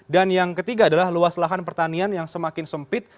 dan yang ketiga adalah luas lahan pertanian yang semakin sempit